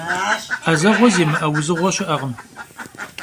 'ezeğue zimı'e vuzığue şı'ekhım.